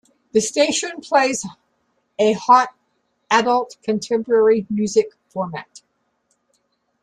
The station plays a Hot Adult Contemporary music format.